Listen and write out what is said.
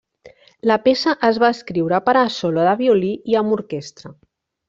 La peça es va escriure per a solo de violí i amb orquestra.